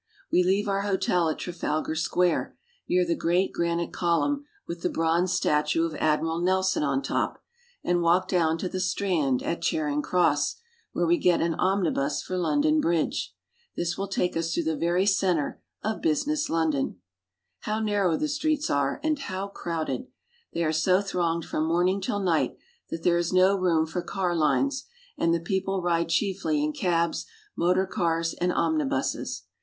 We leave our hotel at Trafal gar Square, near the great granite col umn with the bronze statue of Admiral Nelson on top, and walk down to the Strand at Charing Cross, where we get an omnibus for Lon don Bridge. This will take us through the very center of business London. How narrow the streets are and how crowded ! They are so thronged from morning till night, that there is no room for car lines, and the people ride chiefly in cabs, motor cars, and omnibuses.